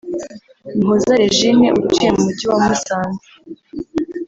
Muhoza Regine utuye mu mujyi wa Musanze